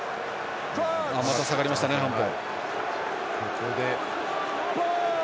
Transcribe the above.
また下がりましたね、半歩。